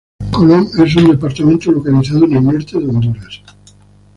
Colón es un departamento localizado en el norte de honduras.